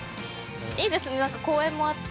いいですね、公園もあって。